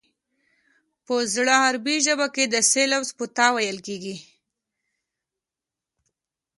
په زړه عربي ژبه کې د ث لفظ په ت ویل کېږي